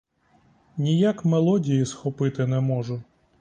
Ніяк мелодії схопити не можу.